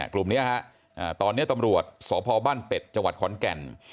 กลุ่มนี้ตอนนี้ตำรวจสพบ้านเป็ดจังหวัดขอนแก่น